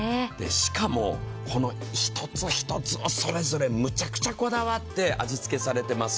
しかも１つ１つがそれぞれむちゃくちゃこだわって味付けされてます。